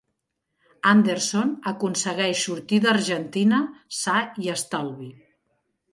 Anderson aconsegueix sortir d'Argentina sa i estalvi.